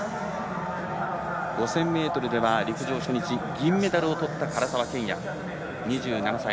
５０００ｍでは陸上初日銀メダルを取った唐澤剣也２７歳。